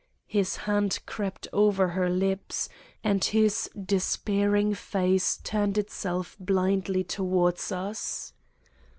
His hand crept over her lips, and his despairing face turned itself blindly towards us.